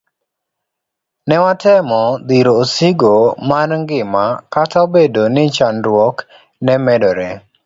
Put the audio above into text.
Newatemo dhiro osigo mar ngima kata obedo ni chandruok ne medore.